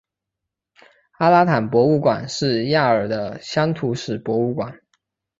阿拉坦博物馆是亚尔的乡土史博物馆。